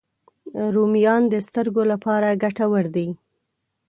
رومیان د سترګو لپاره ګټور دي